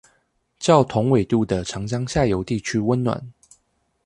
較同緯度的長江下游地區溫暖